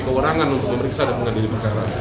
kewenangan untuk memeriksa dan mengadili perkara